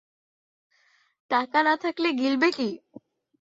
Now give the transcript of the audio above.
টাকা না থাকলে গিলবে কী।